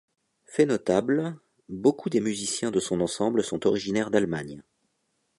Fait notable, beaucoup des musiciens de son ensemble sont originaires d'Allemagne.